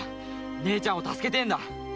姉ちゃんを助けてえんだ。